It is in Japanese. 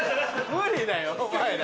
無理だよお前ら。